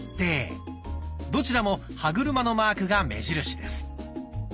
どちらも歯車のマークが目印です。